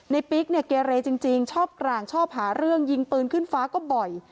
ในปิ๊กเกรเลจริงชอบกร่างชอบหาเรื่องยิงปืนขึ้นฟ้าก็บ่อย